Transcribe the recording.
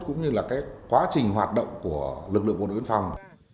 cũng như là cái quá trình hoạt động của lực lượng bộ đội biên phòng